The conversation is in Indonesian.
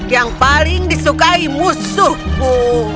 yang paling disukai musuhku